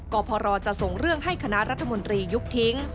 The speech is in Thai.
กรพรจะส่งเรื่องให้คณะรัฐมนตรียุบทิ้ง